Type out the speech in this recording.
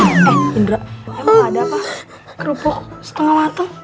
eh indra emang ada apa kerupuk setengah matang